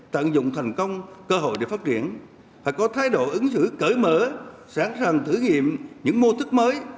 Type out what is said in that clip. tận dụng thành công cơ hội để phát triển phải có thái độ ứng xử cởi mở sẵn sàng thử nghiệm những mô thức mới